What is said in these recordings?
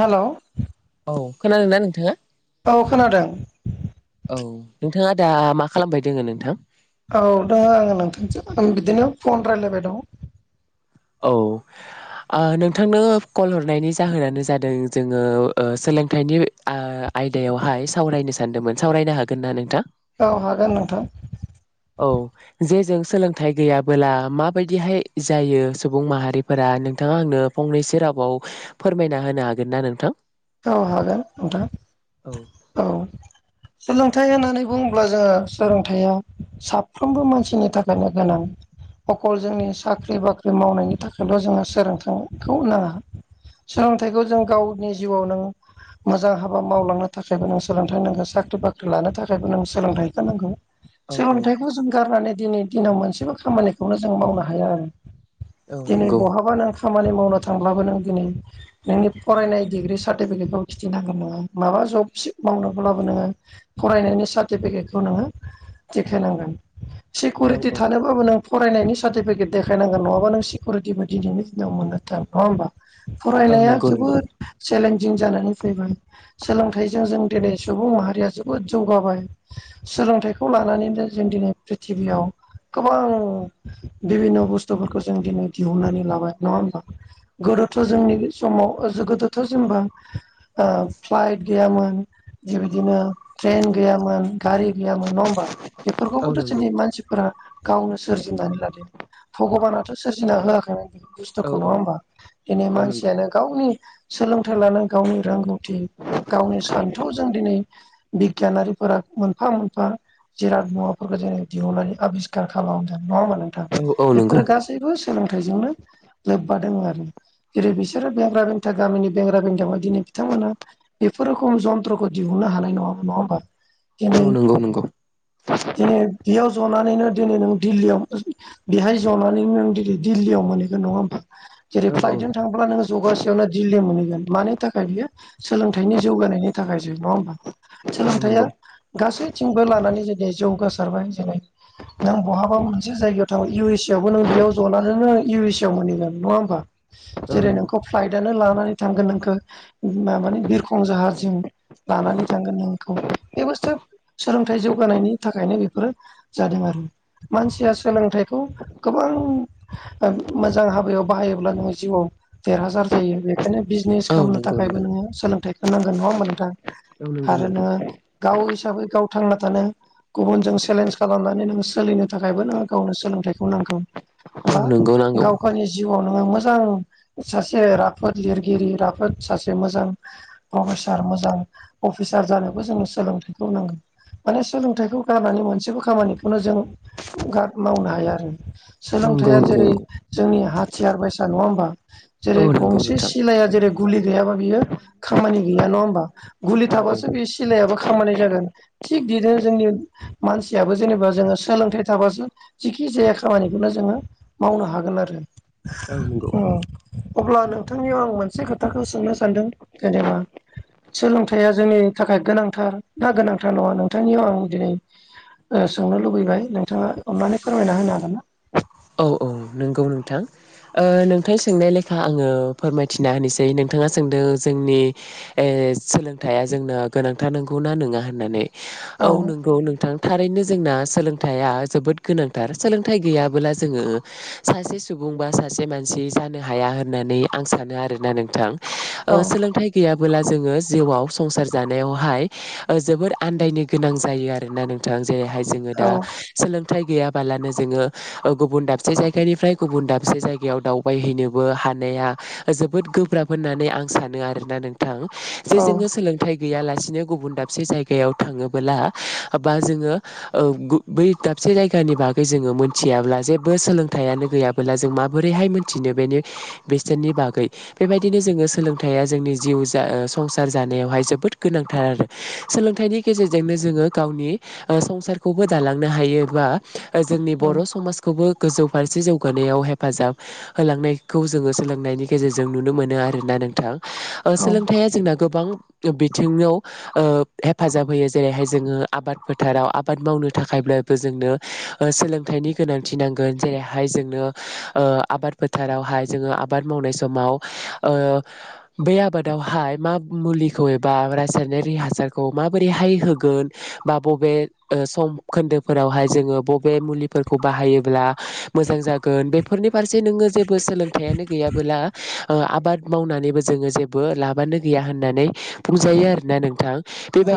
हेल' औ खोनादों नोंथाङा औ खोनादों औ नोंथाङा दा मा खालामबाय दोङो नोंथां? औ दङ आङो नोंथांसै आं बिदिनो फन राय्लायबाय दङ। औ ओ नोंथांनो कल हरनायनि जाहोनानो जादों जोङो ओ सोलोंथाइनि आ आयदायावहाय सावरायनो सानदोंमोन सावरायनो हागोन ना नोंथां? औ हागोन नोंथां। औ जे जों सोलोंथाइ गैयाबोला माबायदिहाय जायो सुबुं माहारिफोरा दा नोंथाङा आंनो फंनैसो रावाव फोरमायना होनो हागोन ना नोंथां। औ हागोन औ नोंथां औ नथाय होननानै बुङोब्ला जोङो सोलोंथाइया साफ्रोमबो मानसिनि थाखायनो गोनां अखल जोंनि साख्रि बाख्रि मावनायनि थाखायल' जों सोंलोंथाइखौ नाङा सोलोंथाइखौ जों गावनि जिउआव नों मोजां हाबा मावलांनो थाखायबो नों सोलोंथाइ नांगौ साख्रि बाख्रि लानो थाखायबो नों सोलोंथाइखौ नांगौ‌। औ औ सोलोंथाइखौ जों गारनानै दिनै दिनाव मोनसेबो खामानिखौनो जों मावनो हाया आरो औ दिनै नंगौ बहाबा नों खामानि मावनो थांब्लाबो नों दिनै नोंनि फरायनाय डिग्रि सार्टिफिकेटाव खिथिनांगोन नङा माबा जब मावनोब्लाबो नोङो फरायनायनि सार्टिफिके बेखौ नोङो देखाय नांगोन औ सेकिउरिटि औ थानोबाबो नो फरायनायनि सार्टिफिकेट देखायनांगोन नङाबा नों सिकिउरिटिबो दिनैनि दिनाव मोनो थान नङा होमबा? औ फरायनाया नंगौ नंगौ जोबोद चेलेन्जिं जानानै फैबाय सोलोंथाइजों जों दिनै सुबुं माहारिया जोबोद जौगाबाय सोलोंथाइखौ लानानैनो जों दिनै प्रिथिबियाव गोबां बिभिन्न' बुस्थुफोरखौ जों दिनै दिहुननानै लाबाय नङा होमबा गो दोथ' जोंनि समाव गोदोथ' जोंबो ओ फ्लाइट गैयामोन बेबायदिनो ट्रेन गैयामोन गारि गैयामोन नङा होमबा औ बेफोरखौबोथ' नंगौ जोंनि मानसिफोरा गावनो सोरजिनानै लादों। भगबानाथ' सोरजिना होआखैमोन बेफोर औ बुस्थुखौ नङा औ होमबा दिनै औ नंगौ मानसियानो गावनि सोलोंथाइ लानो गावनि रोंगौथि गावनि सान्थौजों दिनै बिगियानारिफोरा मोनफा मोनफा जिराद मुवाफोरखौ जों दिहुननानै आबिस्कखार खालामदोंमोन नङा होमबाला नों थां औ औ नंगौ बेफोरो गासैबो सोलोंथाइजोंनो नों लोबबा दं आरो जेरै बिसोरो [inaudible] गामिनि बेंग्रा बेंगामा दिनै बिथांमोना बेफोर रोखोम जन्थ्रखौ दिहुननो हानाय नङाम नङा होमबा औ दिनै नंगौ नंगौ दिनै बेयाव जनानैनो दिनै नों दिल्लीयाव बेहाय जनानै नों दिनै दिल्लीयाव माने नङा हा जेरै औ औ फ्लाइजों थांब्ला जगा से मोनहगोन मानि थाखाय बियो सोलोंथाइनि जौगानायनि थाखायसो नङा होमबा। औ सोलोंथाइया नंगौ गासैथिंबो लानानै जुदि जौगासारबाय जेनै नों बहाबा मोनसे जायगायाव थाङो इउ एस ए आवबो नों बेयाव जनानै नों इउ एस ए आव मोनहैगोन नङा होनोमबा औ जेरै नंगौ नोंखौ फ्लाइटनो लानानै थांगोन नोंखौ म माने बिरखं जाहारजों लानानै थांगोन नों बेखौ बे बुस्थु सोलोंथाइ जौगानायनि थाखायनो बे फोर जादों आरो मानसिया सोलोंथाइखौ गोबां मोजां हाबायाव बाहायोब्ला जिउआव देरहासार जायो बे खायनो बिजनेस औ खालामनो नंगौ थाखायबो नंगौ नोङो सोलोंथखौ नांग नङा होमबा नोंथां। औ नंगौ आरो नोंथां नोङो गाव हिसाबै गाव थांना थानो गुबुनजों चेलेन्ज खालामनानै नों सोलिनो थाखायबो नों गावनो सोलोंथाइखौ नांगौ औ बा नंगौ नांगौ गाव गावनि जिउआव नोङो मोजां सासे राफोद लिरगिरि राफोद सासे मोजां प्रफेसार मोजां अफिस सार जानोबो जोङो सोलोंथाइखौ नांगोन माने सोलोंथाइखौ गारनानै मोनसेबो खामानिखौनो जों गार मावनो हाया आरो औ सोलों नंगौ थाया नंगौ जेरै नंगौ जोंनि हाथियार बायसा नङा होमबा? औ जेरै नंगौ गंसे नोंथां सिलाया जेरै गुलि गैयाबा बियो खामानि गैया नङा होमबा? गुलि औ औ थाबासो बि सिलायाबो खामानि जागोन थिग दिनो जोंनि मानसियाबो जेनेबा जोङो सोलोंथाइ थाबासो जेखि जाया खामानिखौनो जोङो मावनो हागोन आरो औ नंगौ उम। अब्ला नोंथांनियाव आं मोनसे खोथाखौ सोंनो सानदों जेनेबा सोलोंथाइया जोंनि थाखाय गोनांथार ना गोनांथार नङा नोंथांनियाव आं दिनै सोंनो लुबैबाय नोंथाङा अननानै फोरमायना होनो हागोन ना? औ औ नोंगौ नोंथां। ओ नोंथां सोंनाय लेखा आङो फोरमायथिना होनोसै नोंथाङा सोंदों जोंनि ए सोलोंथाया जोंनो गोनांथार नोंगौ ना नङा होननानै औ नोंगौ नोंथां थारैनो जोंना सोलोंथाइया जोबोद गोनांथार सोलोंथाइ गैयाबोला जोङो सासे सुबुं बा सासे मानसि जानो हाया होननानै आं सानो आरोना नोंथां औ ओ सोलोंथाइ गैया बोला जोङो जिउआव संसार जानायावहाय जोबोद आन्दायनो गोनां जायो आरोना नोंथां जेरैहाय जोङो औ दा सोलोंथाइ गैयाबालानो जोङो गुबुन दाबसे जायगानिफ्राय गुबुन दाबसे जायगायाव दावबायहैनोबो हानाया जोबोद गोब्राब होननानै आं सानो आरोना नोंथां जे औ जोङो सोंलोंथाय गैयालासेनो गुबुन दाबसे जायगायाव थाङोबबोला बा जोङो ओ गु बै दाब मोनसे जायगानि बागै जोङो मोनथियाब ब्ला जेबो सोलोंथाइआनो गैयाबोला जों माबोरैहाय मिथिनो बेनि बेसेननि बागै बेबायदि बेनो जोङो सोलोंथाइया जोंनि जिउ संसार जानायावहाय जोबोद गोनांथार आरो सोलोंथाइनि गेजेरजोंनो जोङो गावनि ओ संसारखौबो दालांनो हायो बा जोंनि बर' समाज गोजौ फारसे जौगानायाव हेफाजाब होलांनायखौ जोङो सोलोंनायनि गेजेरजों नुनो मोनो आरो ना नोंथां औ सोलोंथाइया जोंना गोबां बिथिङाव ओ हेफाजाब होयो जेरैहाय जोङो आबाद फोथाराव आबाद मावनो थाखायब्ला जोंनो ओ सोलोंथाइनि गोनांथि नांगोन जेरैहाय जोंनो ओ आबाद फोथारावहाय जोङो आबाद मावनाय समाव ओ बै आबादावहाय मा मुलिखौ एबा रासायनारि हासारखौ माबो बेहाय होगोन बा बबे ओ सम खोन्दोफोरावहाय जोङो बबे मुलिफोर खौ बाहायोब्ला मोजां जागोन बेफोरनि फारसे नोङो जेबो सोलोंथाइयानो गैयाबोला ओ आबाद मावनानैबो जोङो जेबो लाबानो गैया होननानै बुंजायो आरोना नोंथां।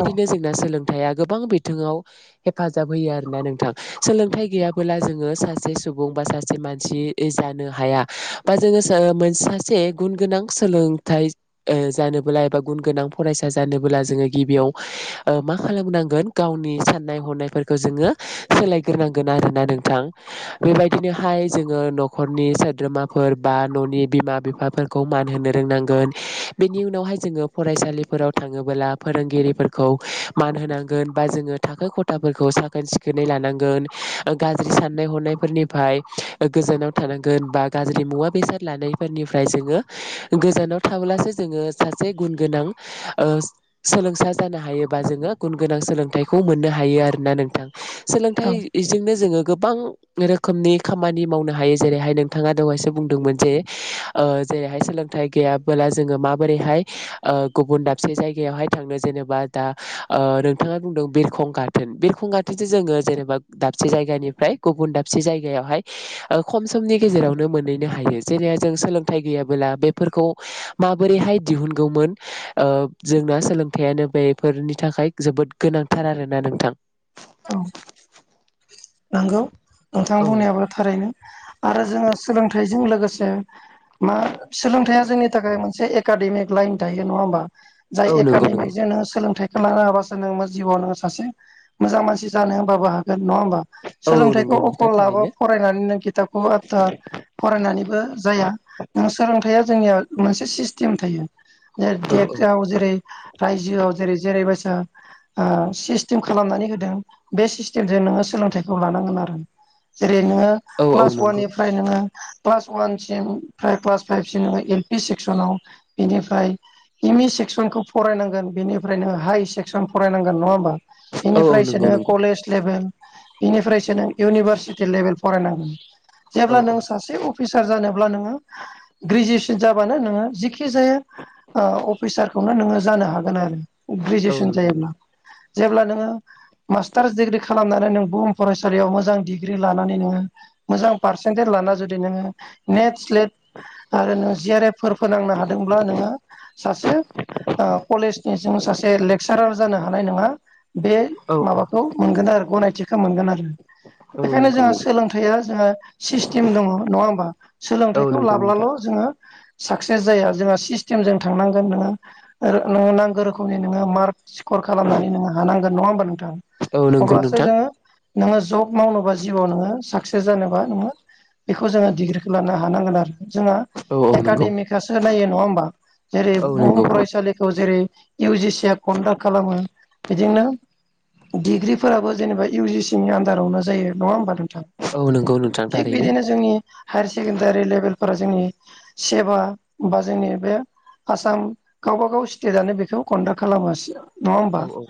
औ जोंना सोलों थाया गोबां बिथोंआव हेफाजाब होायो आरोना नोंथां सोलोंथाइ गैया बोला जोङो सासे सुबुं बा सासे मानसि जानो हाया बा जोङो मोन सासे ए गुन गोनां सोलोंथाइ ओ जानोबोला एबा गुन गोनां फरायसा जानोबोला जोङो गिबियाव मा खालामनांगोन गावनि साननाय हनायफोरखौ जोङो सोलायग्रोनांगोन आरो ना नोंथां बेबायदिनोहाय जोङो न'खरनि सोद्रोमाफोर बा न'नि बिमा बिफ बिफाफोरखौ मान होनो रोंनांगोन बेनि उनावहाय जोङो फरायसालिफोराव थाङोबोला फोरोंगिरि फोरखौ मान होनांगोन बा जोङो थाखो खथाफोरखौ साखोन सिखोनै लानांगोन गाज्रि साननाय हनायफोरनिफ्राय गोजानाव थानांगोन बा गाज्रि मुवा बेसाद लानायफोरनि फ्राय जोङो गोजानाव थाब्लासो जोङो सासे गुन गोनां ओ सोलोंसा जानो हायोबा जोङो गुन गोनां सोलोंथखौ मोननो हायो आरोना नोंथां सोलोंथाय औ गोबां रोखोमनि खामानि मावनो हायो जेरैहाय नोंथाङा दहायसो बुंदोंमोन जे ओ जेरैहाय सोलोंथाइ गैयाबोला जोङो माबोरैहाय ओ गुबुन दाबसे जायगायावहाय थांनो जेनेबा दा ओ नोंथाङा बुंदों बिरखं गार्टेन बिरखं गार्टेन जोङो जेनेबा दाबसे जायगानिफ्राय गुबुन दाबसे जायगायावहाय ओ खम समनि गेजेरावनो मोनहैनो हायो जेरेब जोँ सोलोंथाइ गैयाब्ला बेफोरखौ माबोरैहाय दिहुनगौमोन जोंना सोलोंथायाइयानो बेफोरनि थाखाय जोबोद गोनांथार आरोना नोंथां औ नंगौ नोंथां औ बुंनायाबो थारैनो आरो जोङो सोलोंथाइ जों लोगोसे मा सोलोंथाइया जोंनि थाखाय मोनसे एकाडेमिक लाइन थायो नङा होमबा जाय नंगौ नंगौ एकाडेमिकजों नोङो सोलोंथाइखौ लानो हाबासो नोङो जिउआव नोङो सासे मोजां मानसि जानो होनबाबो हागोन नङा होमबा औ औ सोलोंथाइखौ नंगौ नोंथां अखल लाबो थारैनो फरायनानैनो खिथाबखौ आदथा फरायनानैबो जाया नों सोलों हाया जोंनिया मोनसे सिस्टेम थायो औ औ [unintelligible] आव जेरै रायजोआव जेरै जेरैबायसा सिस्टेम खालामनानै हो दों बेे नोङो सोलोंथायखौ लानो हामारो बे नोङो औ औ क्लास नंगौ वाननिफ्राय नोङो क्लास वसिम क्लास फाइभसिम बा एल बि सेक्सन आव बेनिफ्राय एम इ सेक्सनखौ फरायनांगोन बेनिफ्राय नोङो हाइ सेक्सन फरायनांगोन नङा होमबा औ औ बेनिफ्रायसो नंगौ नों नंगौ कलेज लेभेल बेनिफ्रायसो नों इउनिभारसिटि लेभेल फरायनांगौ औ जेब्ला नों सासे अफिसार जानोब्ला नोङो ग्रेजुवेसन जाबानो नोङो जेखि जाया अफिसारखौनो नोङो जानो हागोन आरो औ ग्रेजुवेसन नंगौ नंगौ जायोब्ला जेब्ला नोङो मास्टार डिग्रि खालामनानै नों बुहुम फरायसालियाव मोजां डिग्रि लानानै नोङो मोजां पारसेन्टेज लाना जुदि नोङो नेट स्लेट आरो नोङो जि आर एफफोर फोनांनो हादोंब्ला नोङो सासे ओ कलेजनिजों सासे लेक्सारार जानो हानाय नङा बे औ माबाखौ मोनगोन आरो गनायथिखौ मोनगोन आरो औ बेखायनो नंगौ जोंहा सोलोंथाइया जोंहा सिस्टेम दङ' नङा होमबा औ सोलोंथाइखौ नंगौ लाब्लाल' नोंथां जों हो साक्सेस जाया जोंहा सिस्टेमजों थांनांगोन नोङो नो नांगौ रोखोमनि नोङो मार्क सिकर खालामनानै हानांगोन नङा होमबा नोंथां औ नंगौ अब्लासो नोंथां जोङो नोङो जब मावनोबा जिउआव नोङो साक्सेस जानोबा नोङो बेखौ जोङो डिग्रिखौ लानो हानांगोन आरो जोंहा औ औ नंगौ एकाडेमिकआसो नायो नङा होमबा जेरै औ बुहुम नंगौ फरायसालिखौ जेरै इउजि सिआ कन्डाक्ट खालामो बिदिनो डिग्रिफोराबो जेनेबा इउ जि सि नि आन्दारावनो जायो नङा होमब औ नंगौ नोंथां थिग थारैनो बिदिनो जोंनि हायार सेकेण्डारि लेभेल फोरा जोंनि सेबा बा जोंनि बे आसाम गावबाागाव स्टेटनो बेखौ कन्डाक्ट खालामो औ औ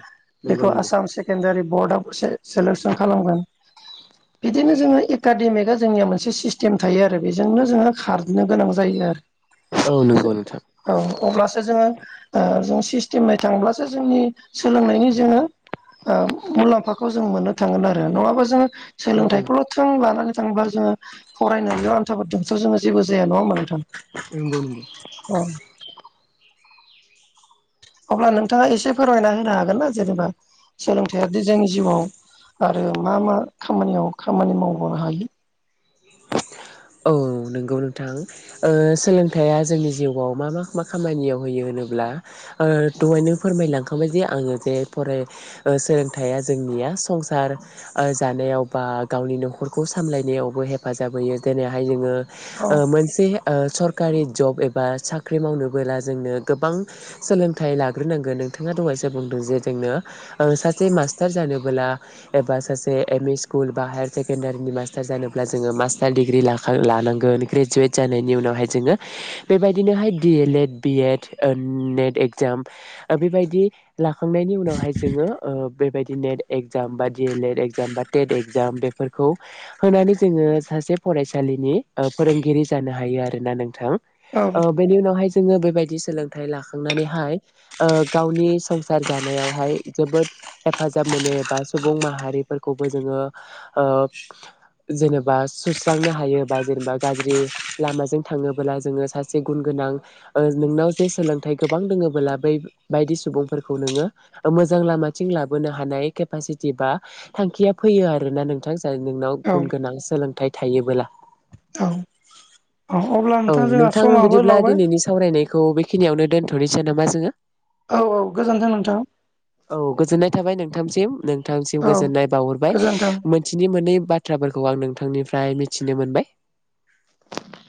बे खौ नंगौ आसाम सेकेण्डारि बर्डआव सेलेकसन खालामगोन बिदिनो जोङो एकाडेमिकआ जोंनिया मोनसे सिस्टेम थायो आरो बेजोंनो जोङो खारनो गोनां जायो औ आरो नंगौ नोंथां औ अब्लासो जोङो ओ जों से सिस्टेमै थांब्लासो जोंनि सोलोंनायनि जोङो मुलाम्फाखौ जों मोननो थांगोन आरो नङाबा जोङो औ औ सोलोंथाइखौल' थं लानानै थांब्ला जोङो फरायनानै आन्थाबदोंथ' जोङो जेबो जाया नङा होमबा नंगौ नंगौ औ अब्ला नोंथाङा एसे फोरमायना होनो हागोन ना जेनेबा सोलोंथायाइआदि जोंनि जिउआव आरो मा मा खामानियाव खामानि मावबोनो हायो औ नंगौ नोंथां ओ सोलोंथाइया जोंनि जिउआव मा मा मा खामानियाव होयो होनब्ला दहायनो फोरमायलांखाबाय जे आङो जे फराय सोलोंथाइया जोंनि मा संसार जानायाव बा गावनि न'खरखौ सामलायनायावबो हेफाजाब होयो दिनैहाय औ जोङो मोनसे सर कारि जब एबा साख्रि मावनोबोला जोंनो गोबां सोलोंथाइ लाग्रोनांगोन नोंथाङा द जे बुंदों जे जोंनो ओ सासे मास्टार जानबोला एबा सासे एमइ स्कुल बा हायार सेकेनदारिनि मासटार जानोब्ला जोङो मास दा डिग्रि लाखां लानांगोन ग्रेजुवेट जानायनि उनावहाय जोङो बेबायदिनोहाय D El Ed B A NET ओ नेट एगजाम ओ बेबायदि लाखांनायनि उनावहाय जोङो ओ बेबायदि नेट एक्जाम बा डि एल ए एक्जाम बा टेट एक्जाम बेफोरखौ होनानै जोङो सासे फरायसालिनि फोरोंगिरि जानो हायो आरोना नोंथां औ बेनि उनावहाय जोङो बेबायदि सोलोंथाइ लाखांनानैहाय ओ गावनि संसार जानायावहाय जोबोद हेफाजाब मोनो एबा सुबुं माहारिफोरखौबो जोङो ओ जेनेबा सुस्रांनो हायोबा जेनेबा गाज्रि लामाजों थाङोब्ला जोङो सासे गुन गोनां ओ नोंनाव जे सोलोंथाइ गोबां दोङोबोला बै बायदि सुबुंफोरखौ नोङो मोजां लामाथिं लाबो हानाय केपासिथि बा थांखिया फैयो आरोना नोंथां नों नोंनाव औ गुन गोनां सोलों थाय थायोबोला औ अ अब्ला औ जोंहा नोंथां समाबो बिदिब्ला लावबाय दिनैनि सावरायनायखौ बेखिनियावनो दोनथ'नोसै नामा जोङो औ औ गोजोन्थों नोंथां औ गोजोननाय थाबाय नोंथांसिम नोंथांसिम औ गोजोननाय बावहरबाय गोजोन्थों। मोनथिनि मोननै बाथ्राफोरखौ आं नोंथांनि फ्राय मिथिनो मोनबाय